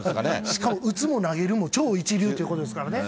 しかも打つも投げるも超一流ということですからね。